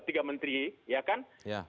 tiga menteri ya kan